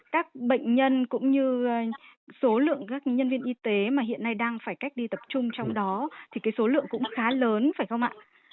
các bệnh nhân cũng như số lượng các nhân viên y tế mà hiện nay đang phải cách đi tập trung trong đó thì cái số lượng cũng khá lớn phải không ạ